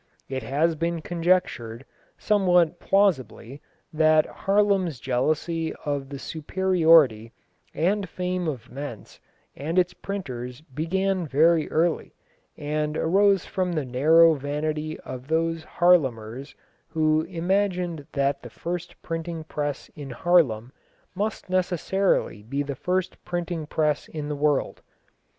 It has been conjectured, somewhat plausibly, that Haarlem's jealousy of the superiority and fame of Mentz and its printers began very early, and arose from the narrow vanity of those Haarlemers who imagined that the first printing press in Haarlem must necessarily be the first printing press in the world.